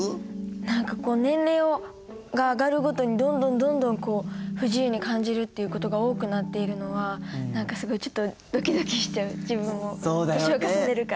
何か年齢が上がるごとにどんどんどんどん不自由に感じるっていうことが多くなっているのは何かすごいちょっとドキドキしちゃう自分も年を重ねるから。